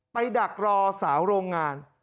ดักรอสาวโรงงาน